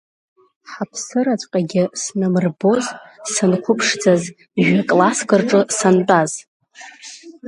Ҳаԥсыраҵәҟьагьы снамырбоз санқәыԥшӡаз, жәа-класск рҿы сантәаз!